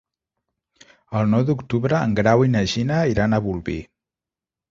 El nou d'octubre en Grau i na Gina iran a Bolvir.